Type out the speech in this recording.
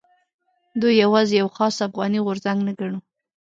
دوی یوازې یو خاص افغاني غورځنګ نه ګڼو.